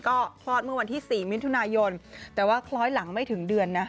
ก็คลอดเมื่อวันที่๔มิถุนายนแต่ว่าคล้อยหลังไม่ถึงเดือนนะ